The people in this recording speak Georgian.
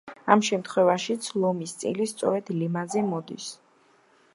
ამ შემთხვევაშიც ლომის წილი სწორედ ლიმაზე მოდის.